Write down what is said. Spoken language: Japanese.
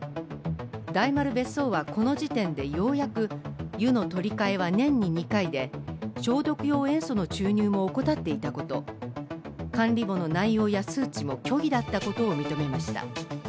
大丸別荘はこの時点でようやく湯の取り替えは年に２回で消毒用塩素の注入も怠っていたこと、管理簿の内容や数値も虚偽だったことを認めました。